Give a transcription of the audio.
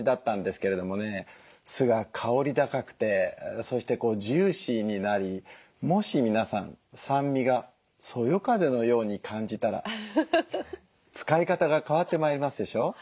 酢が香り高くてそしてジューシーになりもし皆さん酸味がそよ風のように感じたら使い方が変わってまいりますでしょ。